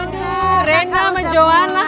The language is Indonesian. aduh renda sama johana hai kakak